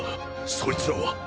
そいつらは。